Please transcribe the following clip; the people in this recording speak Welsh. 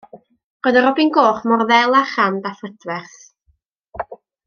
Roedd y robin goch mor ddel a chrand a phrydferth.